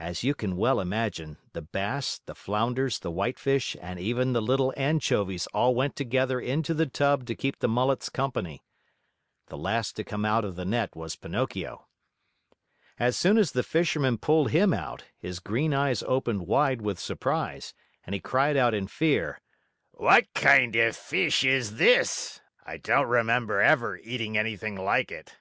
As you can well imagine, the bass, the flounders, the whitefish, and even the little anchovies all went together into the tub to keep the mullets company. The last to come out of the net was Pinocchio. As soon as the Fisherman pulled him out, his green eyes opened wide with surprise, and he cried out in fear: "What kind of fish is this? I don't remember ever eating anything like it."